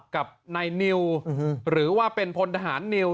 กับนายนิวหรือว่าเป็นพลทหารนิว